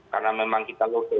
karena memang kita